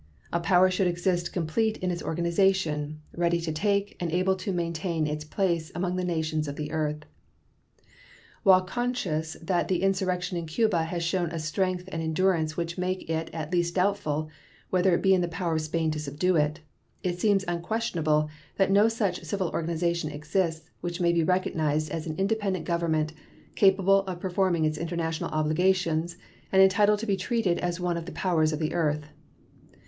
A power should exist complete in its organization, ready to take and able to maintain its place among the nations of the earth. While conscious that the insurrection in Cuba has shown a strength and endurance which make it at least doubtful whether it be in the power of Spain to subdue it, it seems unquestionable that no such civil organization exists which may be recognized as an independent government capable of performing its international obligations and entitled to be treated as one of the powers of the earth.